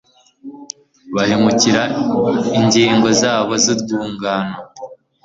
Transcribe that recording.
bahemukira ingingo zabo z’urwungano